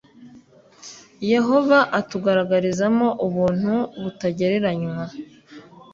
Yehova atugaragarizamo ubuntu butagereranywa